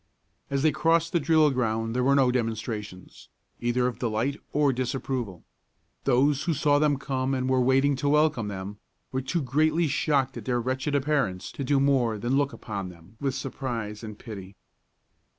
As they crossed the drill ground there were no demonstrations, either of delight or disapproval. Those who saw them come and were waiting to welcome them, were too greatly shocked at their wretched appearance to do more than look upon them with surprise and pity.